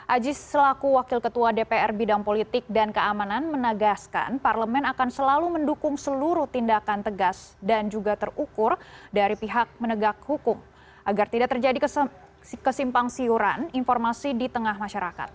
ajis selaku wakil ketua dpr bidang politik dan keamanan menegaskan parlemen akan selalu mendukung seluruh tindakan tegas dan juga terukur dari pihak menegak hukum agar tidak terjadi kesimpang siuran informasi di tengah masyarakat